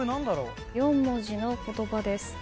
４文字の言葉です。